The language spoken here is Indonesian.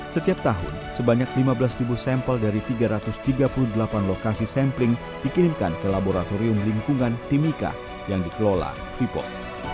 setiap tahun sebanyak lima belas sampel dari tiga ratus tiga puluh delapan lokasi sampling dikirimkan ke laboratorium lingkungan timika yang dikelola freeport